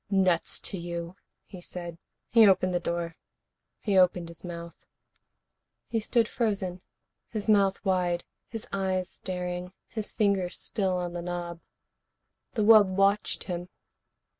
"Nuts to you," he said. He opened the door. He opened his mouth. He stood frozen, his mouth wide, his eyes staring, his fingers still on the knob. The wub watched him.